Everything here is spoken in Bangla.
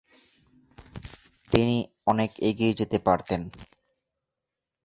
তিনি অনেক এগিয়ে যেতে পারতেন।